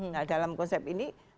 nah dalam konsep ini